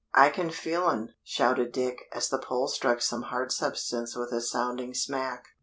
"I can feel un," shouted Dick, as the pole struck some hard substance with a sounding smack.